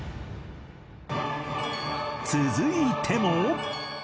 続いても